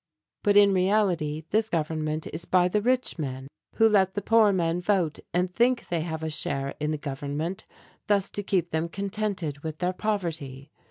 But in reality this government is by the rich men, who let the poor men vote and think they have a share in the government, thus to keep them contented with their poverty.